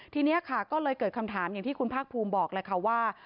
ทีนี้ค่ะก็เลยเกิดคำถามอย่างที่คุณภาคภูมิบอกเลยค่ะว่า